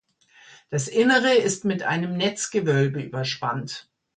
Das Innere ist mit einem Netzgewölbe überspannt.